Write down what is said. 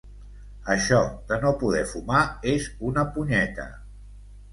Això de no poder fumar és una punyeta.